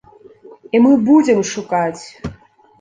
І мы будзем шукаць!